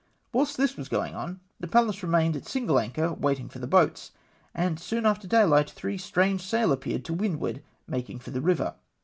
Whilst this was going on, the Pallas remained at single anchor waiting for the boats, and soon after day hght three strange sail appeared to windward, making for the river.